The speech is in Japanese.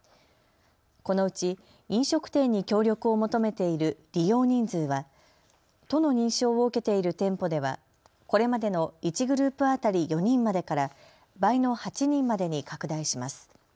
このうち飲食店に協力を求めている利用人数は都の認証を受けている店舗ではこれまでの１グループ当たり４人までから倍の８人までに拡大します。